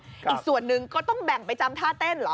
อีกส่วนหนึ่งก็ต้องแบ่งไปจำท่าเต้นเหรอ